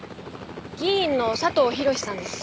議員の佐藤寛さんです。